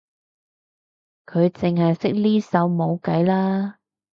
佢淨係識呢首冇計啦